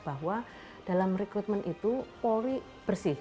bahwa dalam rekrutmen itu polri bersih